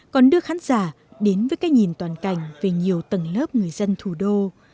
còn đưa khán giả đến với cái nhìn toàn cảnh về nhiều tầng lớp người dân thủ đô